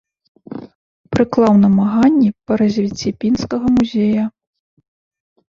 Прыклаў намаганні па развіцці пінскага музея.